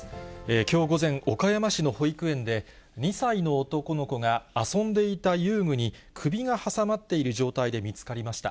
きょう午前、岡山市の保育園で、２歳の男の子が遊んでいた遊具に首が挟まっている状態で見つかりました。